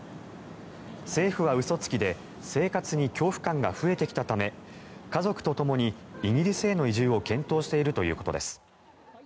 政府は嘘つきで生活に恐怖感が増えてきたため家族とともにイギリスへの移住を検討しているということです。